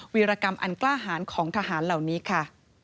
วิรกรรมอันกล้าหารของทหารเหล่านี้ค่ะ